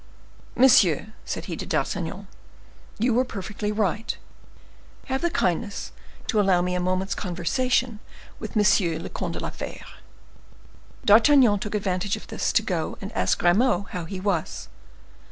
"Monsieur," said he to D'Artagnan, "you were perfectly right. Have the kindness to allow me a moment's conversation with M. le Comte de la Fere?" D'Artagnan took advantage of this to go and ask Grimaud how he was.